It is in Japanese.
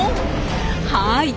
はい！